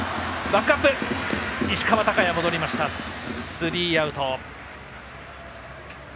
スリーアウト。